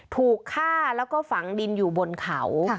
ถูกฆ่าแล้วก็ฝังดินอยู่บนเขา